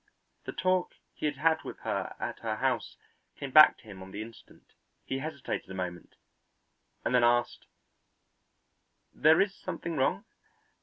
The talk he had had with her at her house came back to him on the instant. He hesitated a moment and then asked: "There is something wrong?